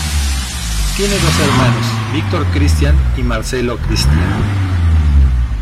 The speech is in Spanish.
Tiene dos hermanos Victor Cristian y Marcelo Cristian.